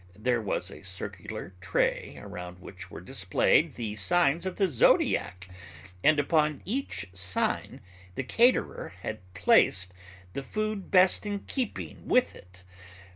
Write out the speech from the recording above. There was a circular tray around which were displayed the signs of the zodiac, and upon each sign the caterer had placed the food best in keeping with it.